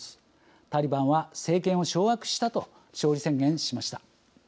タリバンは政権を掌握したと勝利宣言しました。